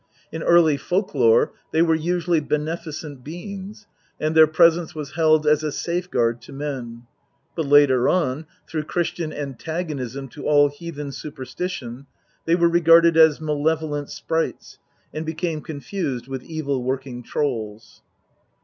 In early folk lore they were usually beneficent beings, and their presence was held as a safeguard to men ; but later on, through Christian antagonism to all heathen superstition, they were regarded as malevolent sprites, and became confused with evil working trolls.